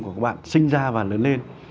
của các bạn sinh ra và lớn lên